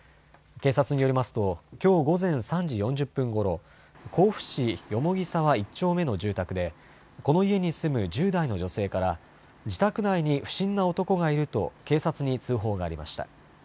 警察によりますときょう午前３時４０分ごろ、甲府市蓬沢１丁目の住宅でこの家に住む１０代の女性から自宅内に不審な男がいると警察に通報がありました。